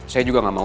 saya juga gak mau